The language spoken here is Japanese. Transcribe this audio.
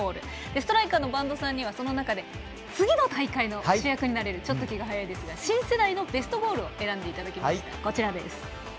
ストライカーの播戸さんにはその中で次の大会の主役になれる新世代のベストゴールを選んでいただきました。